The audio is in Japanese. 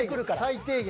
最低限。